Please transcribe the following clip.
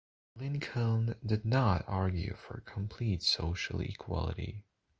Lincoln did not argue for complete social equality.